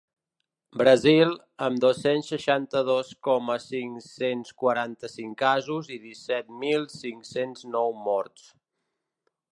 Brasil, amb dos-cents seixanta-dos coma cinc-cents quaranta-cinc casos i disset mil cinc-cents nou morts.